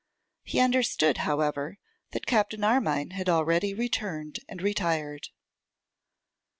He understood, however, that Captain Armine had already returned and retired.